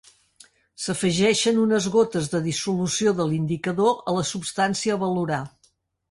S'afegeixen unes gotes de dissolució de l'indicador a la substància a valorar.